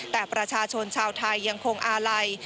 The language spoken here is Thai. แต่ประชาชนชาวไทยยังคงอาลัย